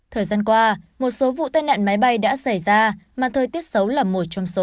thời gian qua một số vụ tai nạn máy bay đã xảy ra mà thời tiết xấu là một trong số